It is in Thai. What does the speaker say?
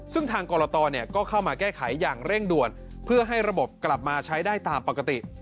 ซึ่งทางกรตก็เข้ามาแก้ไขอย่างเร่งด่วนเพื่อให้ระบบกลับมาใช้ได้ตามปกติ